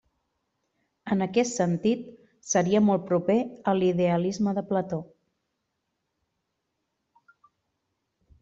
En aquest sentit, seria molt proper a l'idealisme de Plató.